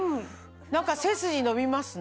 背筋伸びますね。